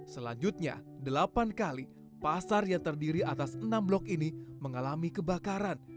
selanjutnya delapan kali pasar yang terdiri atas enam blok ini mengalami kebakaran